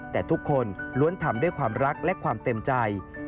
แต่ทุกคนล้วนทำด้วยความรักและความเต็มใจ